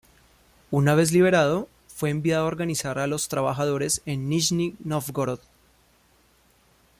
Una vez liberado fue enviado a organizar a los trabajadores en Nizhni Nóvgorod.